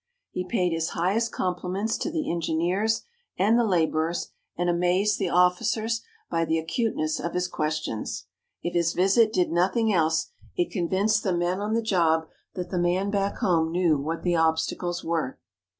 He paid his highest compliments to the engineers and the laborers, and amazed the officers by the acuteness of his questions. If his visit did nothing else, it convinced the men on the job that the man back home knew what the obstacles were.